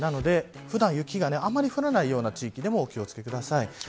普段雪があまり降らないような地域でも気を付けてください。